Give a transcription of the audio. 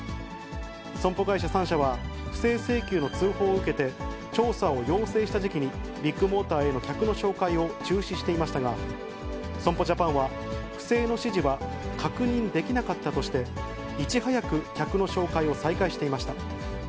損保会社３社は、不正請求の通報を受けて、調査を要請した時期にビッグモーターへの客の紹介を中止していましたが、損保ジャパンは不正の指示は確認できなかったとして、いち早く客の紹介を再開していました。